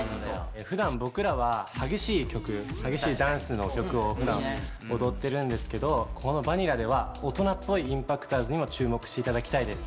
ふだん僕らは激しい曲激しいダンスの曲をふだん踊ってるんですけどこの「Ｖａｎｉｌｌａ」では大人っぽいＩＭＰＡＣＴｏｒｓにも注目して頂きたいです。